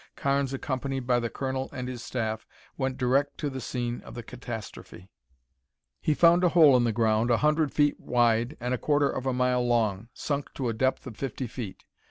Carnes, accompanied by the colonel and his staff, went direct to the scene of the catastrophe. He found a hole in the ground, a hundred feet wide and a quarter of a mile long, sunk to a depth of fifty feet.